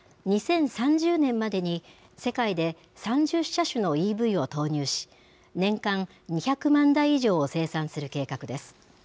２０３０年までに世界で３０車種のＥＶを投入し、年間２００万台以上を生産する計画です。